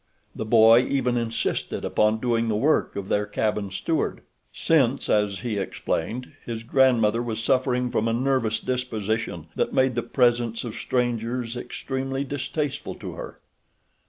The boy even insisted upon doing the work of their cabin steward, since, as he explained, his grandmother was suffering from a nervous disposition that made the presence of strangers extremely distasteful to her.